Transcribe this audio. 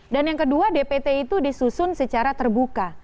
dan yang kedua dpt itu disusun secara terbuka